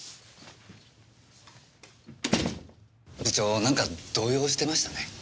部長何か動揺してましたね。